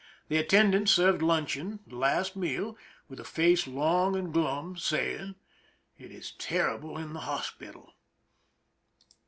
The attendant served luncheon, the last meal, with a face long and glum, saying, " It is terrible in the hospital."